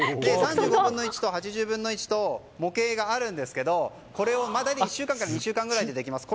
３５分の１と、８０分の１と模型があるんですけどこれ１週間か２週間ぐらいでできます。